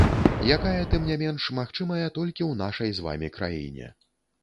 Якая, тым не менш, магчымая толькі ў нашай з вамі краіне.